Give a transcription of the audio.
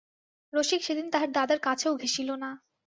রসিক সেদিন তাহার দাদার কাছেও ঘেঁষিল না।